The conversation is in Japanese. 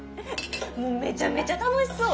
もうめちゃめちゃ楽しそうで。